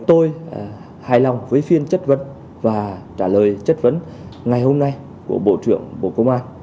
tôi hài lòng với phiên chất vấn và trả lời chất vấn ngày hôm nay của bộ trưởng bộ công an